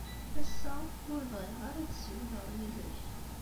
Ass-a, ur bɣiɣ ara ad ssiwleɣ yid-k.